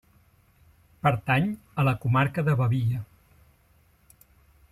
Pertany a la comarca de Babia.